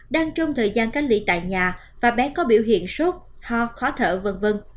đang trong thời gian cách ly tại nhà và bé có biểu hiện sốt ho khó thở v v